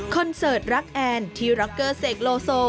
เสิร์ตรักแอนที่ร็อกเกอร์เสกโลโซ